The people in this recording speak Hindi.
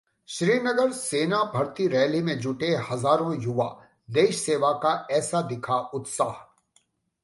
श्रीनगरः सेना भर्ती रैली में जुटे हजारों युवा, देश सेवा का ऐसा दिखा उत्साह